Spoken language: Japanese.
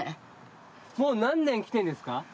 もう何年来てんですか？